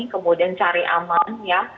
kemudian cari aman ya